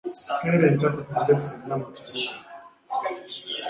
Keera enkya tugende ffenna mu kibuga.